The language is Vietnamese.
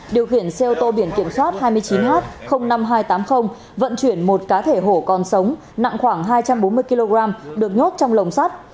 điều khiển xe ô tô biển kiểm soát hai mươi chín h năm nghìn hai trăm tám mươi vận chuyển một cá thể hổ còn sống nặng khoảng hai trăm bốn mươi kg được nhốt trong lồng sắt